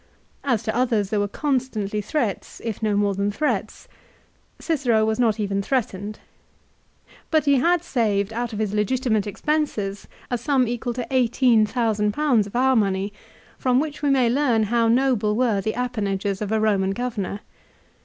As to others there were constantly threats, if no more than threats. Cicero was not even threatened. But he had saved out of his legitimate expenses a sum equal to 18,000 of our money, from which we may learn how noble were the appanages of a Roman governor.